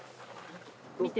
見て。